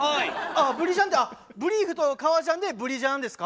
ブリジャンって「ブリーフ」と「革ジャン」で「ブリジャン」ですか？